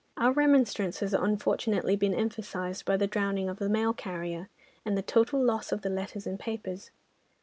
Our remonstrance has unfortunately been emphasised by the drowning of the mail carrier, and the total loss of the letters and papers.